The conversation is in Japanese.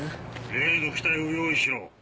例の機体を用意しろ。